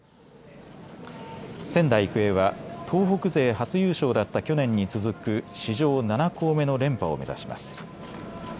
仙台育英は東北勢初優勝だった去年に続く史上７校目の連覇を目指します。